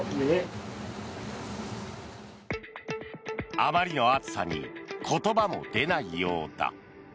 あまりの暑さに言葉も出ないようだ。